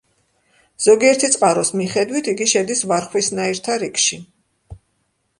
ზოგიერთი წყაროს მიხედვით იგი შედის ვარხვისნაირთა რიგში.